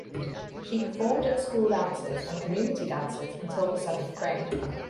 She performed at school dances and community dances until the seventh grade.